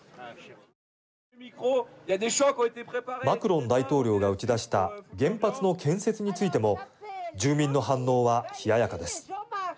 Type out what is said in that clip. マクロン大統領が打ち出した原発の建設についても住民の反応は冷ややかです。